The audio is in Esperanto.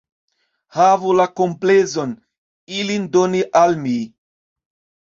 Havu la komplezon, ilin doni al mi.